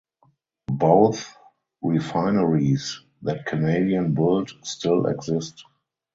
Both refineries that Canadian built still exist.